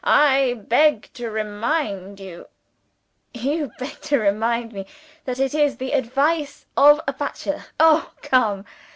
I beg to remind you " "You beg to remind me that it is the advice of a bachelor? Oh, come!